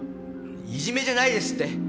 いじめじゃないですって。